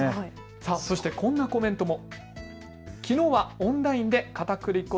そしてこんなコメントも。